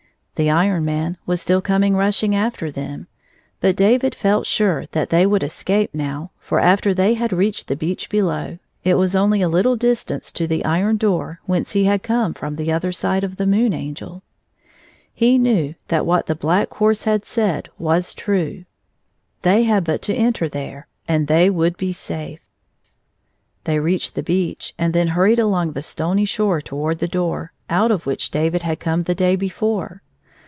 The Iron Man was still coming rushing after them, but David felt sure that they would now escape, for after they had reached the beach below, it was only a little distance to the iron door whence he had come from the other side of the Moon Angel. He knew that what the Black Horse had said was true — they had but to enter there, and they would be safe. They reached the beach, and then hurried along the stony shore toward the door, out of which David had come the day before.